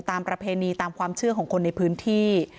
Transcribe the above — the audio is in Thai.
ประเพณีตามความเชื่อของคนในพื้นที่